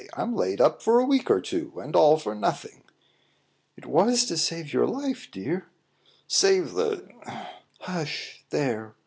I'm laid up for a week or two, and all for nothing." "It was to save your life, dear." "Save the !" "H u s h! There!